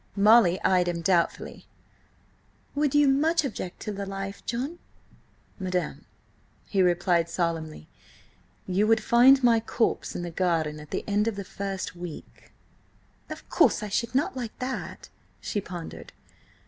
Molly eyed him doubtfully. "Would you much object to the life, John?" "Madam," he replied solemnly, "you would find my corpse in the garden at the end of the first week." "Of course I should not like that," she pondered.